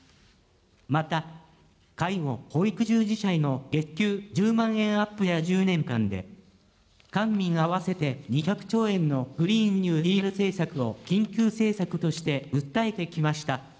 また介護・保育従事者への月給１０万円アップや１０年間で官民合わせて２００兆円のグリーンニューディール政策を緊急政策として訴えてきました。